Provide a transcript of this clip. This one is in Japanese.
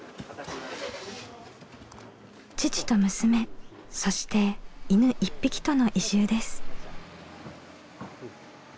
父と娘そして犬１匹との移住です。